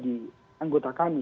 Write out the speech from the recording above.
di anggota kami